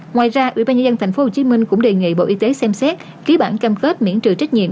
ngoài ra ủy ban nhân dân tp hcm cũng đề nghị bộ y tế xem xét ký bản cam kết miễn trừ trách nhiệm